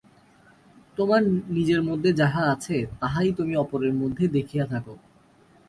তোমার নিজের মধ্যে যাহা আছে, তাহাই তুমি অপরের মধ্যে দেখিয়া থাক।